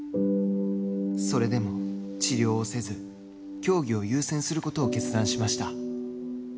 それでも治療をせず、競技を優先することを決断しました。